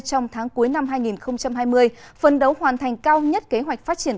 trong tháng cuối năm hai nghìn hai mươi phân đấu hoàn thành cao nhất kế hoạch phát triển